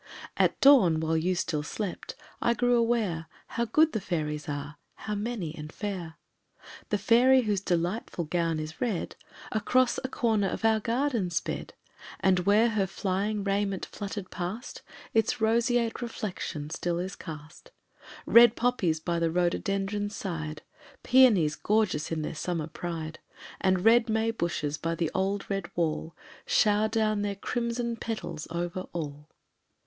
At dawn, while still you slept, I grew aware How good the fairies are, how many and fair. The fairy whose delightful gown is red Across a corner of our garden sped, And, where her flying raiment fluttered past, Its roseate reflection still is cast: Red poppies by the rhododendron's side, Paeonies gorgeous in their summer pride, And red may bushes by the old red wall Shower down their crimson petals over all.